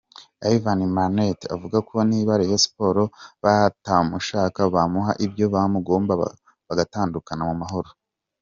Ivan Minaert avuga ko niba Rayon Sports batamushaka bamuha ibyo bamugomba bagatandukana mu mahoro.